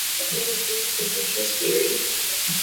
It is used in interest theory.